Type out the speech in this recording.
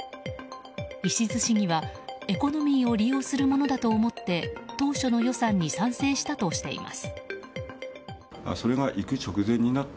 石須市議はエコノミーを利用するものだと思って当初の予算に賛成したとしています。